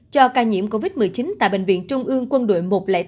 cho ca nhiễm covid một mươi chín tại bệnh viện trung ương quân đội một trăm linh tám